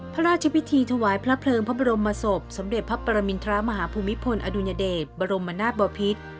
พระราชพิธีถวายพระเพลิงพระบรมศพสมเด็จพระปรมินทรมาฮภูมิพลอดุญเดชบรมนาศบอพิษ